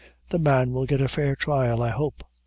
The man will get a fair trial, I hope."